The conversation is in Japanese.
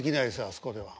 あそこでは。